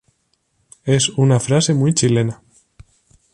Es una frase muy chilena.